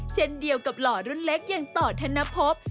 เช่นเดียวกับหล่อรุ่นเล็กอย่างต่อธนภพ